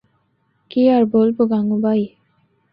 কি আর বলবো, গাঙুবাই?